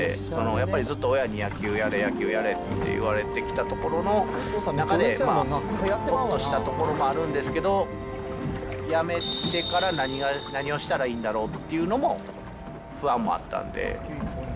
やっぱりずっと親に野球やれ、野球やれって言われてきたところの中で、ほっとしたところもあるんですけど、やめてから何をしたらいいんだろうっていうのも不安もあったんで。